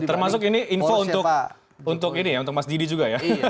termasuk ini info untuk mas didi juga ya